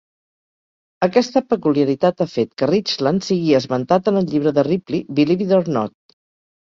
Aquesta peculiaritat ha fet que Richland sigui esmentat en el llibre de Ripley "Believe It or Not!".